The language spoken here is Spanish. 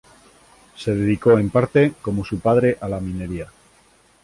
Se dedicó, en parte, como su padre, a la minería.